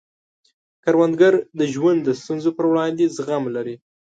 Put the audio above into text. کروندګر د ژوند د ستونزو پر وړاندې زغم لري